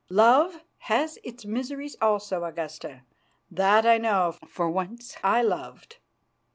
"Love has its miseries also, Augusta. That I know, for once I loved."